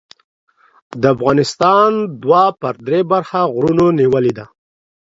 د افغانستان دوه پر درې برخه غرونو نیولې ده.